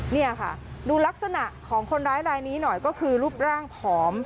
นี่ค่ะดูลักษณะของคนร้ายรายนี้หน่อยก็คือรูปร่างผอม